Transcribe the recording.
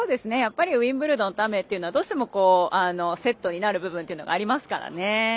ウィンブルドンと雨っていうのはどうしてもセットになる部分っていうのがありますからね。